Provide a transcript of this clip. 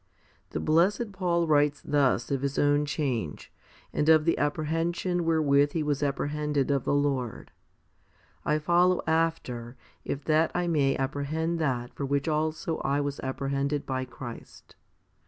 The blessed Paul writes thus of his own change, and of the apprehension wherewith he was apprehended of the Lord :/ follow after, if that I may apprehend that for which also I was apprehended by Christ?